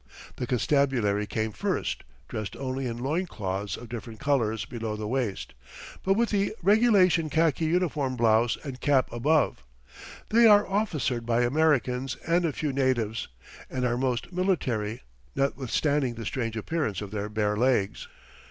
The constabulary came first, dressed only in loin cloths of different colours below the waist, but with the regulation khaki uniform blouse and cap above. They are officered by Americans and a few natives, and are most military, notwithstanding the strange appearance of their bare legs.